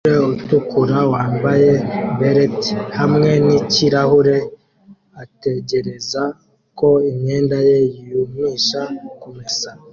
Umugore utukura wambaye beret hamwe nikirahure ategereza ko imyenda ye yumisha kumesa